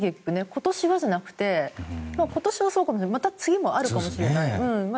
今年はじゃなくて今年はそうかもしれないけどまた次もあるかもしれない。